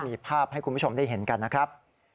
มีภาพให้คุณผู้ชมได้เห็นกันนะครับ